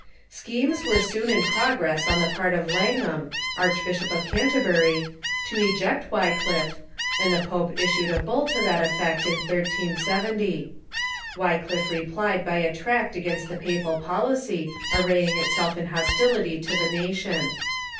Schemes were soon in progress on the part of Langham, Archbishop of Canterbury, to eject Wycliffe, and the pope is sued a bull to that effect in 1370. Wycliffe replied *vlfycMffe" ^^'^ tract against the papal policy arraying itself in hostility to the nation.